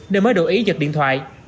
nên mới đổi ý giật điện thoại